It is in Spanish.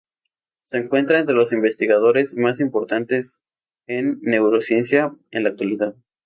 Se encuentra entre los investigadores más importantes en neurociencia en la actualidad.